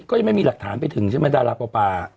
ก็ยังไม่มีหลักฐานไปถึงใช่ไหมดาราปอปา